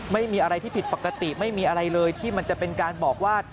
ไม่มีอะไรที่ผิดปกติไม่มีอะไรเลยที่มันจะเป็นการบอกว่า